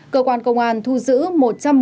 cơ quan công an thu giữ một trăm một mươi đồng